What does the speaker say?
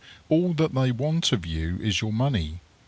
All that they want of you is your money.